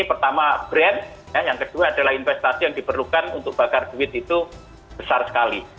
pertama brand yang kedua adalah investasi yang diperlukan untuk bakar duit itu besar sekali